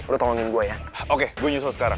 lo tolongin gue ya oke gue nyusul sekarang